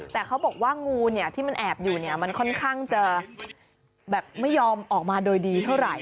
แต่เขาบอกว่างูที่มันแอบอยู่มันค่อนข้างจะแบบไม่ยอมออกมาโดยดีเท่าไหร่